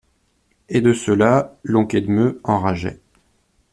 Et de cela, l'oncle Edme enrageait.